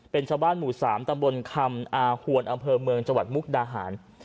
เป็นชาวบ้านหมู่๓ตำบลคำอาหวนอำเภอเมืองจังหวัดมุกดาหาร